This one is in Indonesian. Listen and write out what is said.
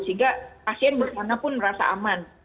sehingga pasien dimanapun merasa aman